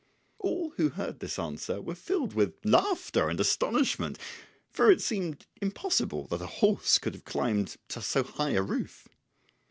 All who heard this answer were filled with laughter and astonishment, for it seemed impossible that a horse could have climbed to so high a roof.